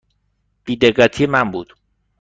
بی دقتی من بود.